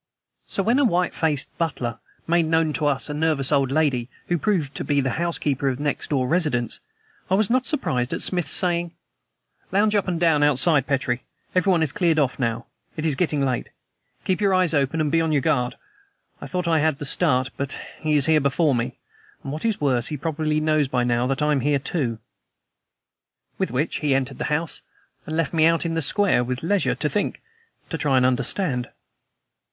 So, when a white faced butler made us known to a nervous old lady who proved to be the housekeeper of the next door residence, I was not surprised at Smith's saying: "Lounge up and down outside, Petrie. Everyone has cleared off now. It is getting late. Keep your eyes open and be on your guard. I thought I had the start, but he is here before me, and, what is worse, he probably knows by now that I am here, too." With which he entered the house and left me out in the square, with leisure to think, to try to understand.